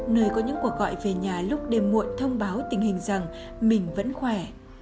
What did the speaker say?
nơi có những cuộc gọi về nhà lúc đêm muộn thông báo tình hình rằng mình vẫn khỏe